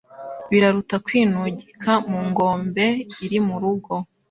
Biraruta kwinugika mu ngombe iri mu rugo